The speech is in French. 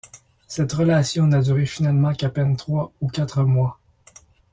Cette relation n'a duré finalement qu'à peine trois ou quatre mois.